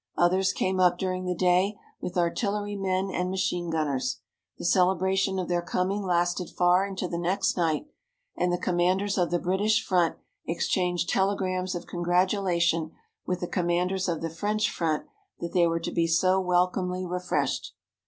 Others came up during the day, with artillerymen and machine gunners. The celebration of their coming lasted far into the next night, and the commanders of the British front exchanged telegrams of congratulation with the commanders of the French front that they were to be so welcomely refreshed.